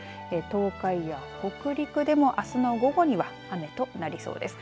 東海や北陸でもあすの午後には雨となりそうです。